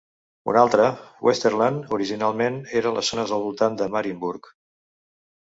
Un altre, Westerland, originalment era les zones al voltant de Marienburg.